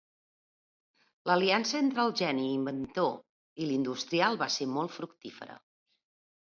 L'aliança entre el geni inventor i l'industrial va ser molt fructífera.